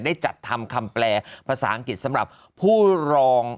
ได้จัดทำคำแปลภาษาอังกฤษสำหรับผู้รอง